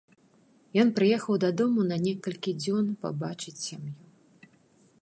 Ён прыехаў дадому на некалькі дзён пабачыць сям'ю.